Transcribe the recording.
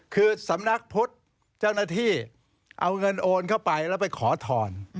คือสำนักพุทธเจ้าหน้าที่เอาเงินโอนเข้าไปแล้วไปขอถอน